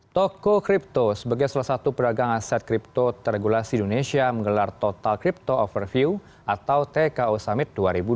toko kripto sebagai salah satu pedagang aset kripto terregulasi indonesia menggelar total crypto overview atau tko summit dua ribu dua puluh